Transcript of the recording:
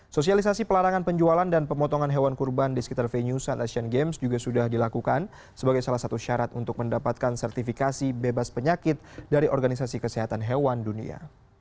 sosialisasi pelarangan penjualan dan pemotongan hewan kurban di sekitar venue saat asian games juga sudah dilakukan sebagai salah satu syarat untuk mendapatkan sertifikasi bebas penyakit dari organisasi kesehatan hewan dunia